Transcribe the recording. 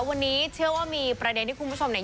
วันนี้เชื่อว่ามีประเด็นที่คุณผู้ชมเนี่ย